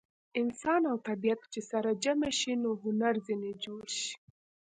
انسان او طبیعت چې سره جمع شي نو هنر ځینې جوړ شي.